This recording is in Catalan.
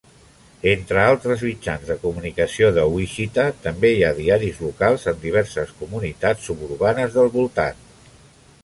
Entre altres mitjans de comunicació de Wichita, també hi ha diaris locals en diverses comunitats suburbanes del voltant.